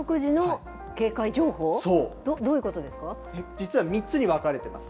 実は３つに分かれています。